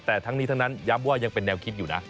แต่ทั้งนี้ทั้งนั้นย้ำว่ายังเป็นแนวคิดอยู่นะ